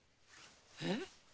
えっ？